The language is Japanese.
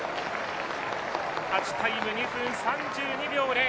勝ちタイム２分３２秒０。